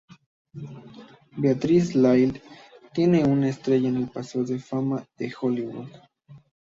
Beatrice Lillie tiene una estrella en el Paseo de la Fama de Hollywood.